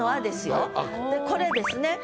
でこれですね。